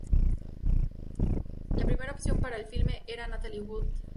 La primera opción para el filme era Natalie Wood.